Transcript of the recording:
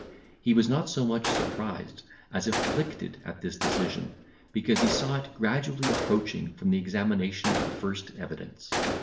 He was not so much surprised as afflicted at this decision, because he saw it gradually approaching from the examination of the first evidence.